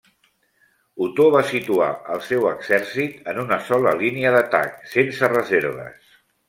Otó va situar el seu l'exèrcit en una sola línia d'atac, sense reserves.